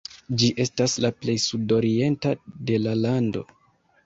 Ĝi estas la plej sudorienta de la lando.